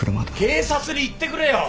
警察に言ってくれよ！